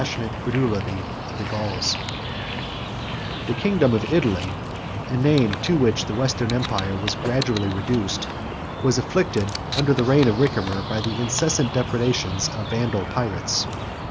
] The kingdom of Italy, a name to which the Western empire was gradually reduced, was afflicted, under the reign of Ricimer, by the incessant depredations of the Vandal pirates.